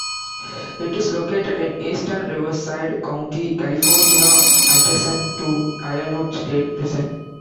It is located in eastern Riverside County, California, adjacent to Ironwood State Prison.